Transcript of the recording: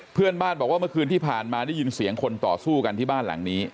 เพื่อนบ้านบอกว่าเมื่อคืนที่ผ่านมาได้ยินเสียงคนต่อสู้กันที่บ้านหลังนี้